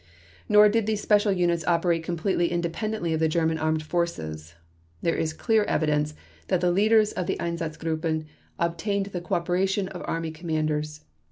Nor did these special units operate completely independently of the German Armed Forces. There is clear evidence that leaders of the Einsatzgruppen obtained the co operation of Army commanders.